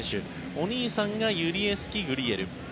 お兄さんがユリエスキ・グリエル。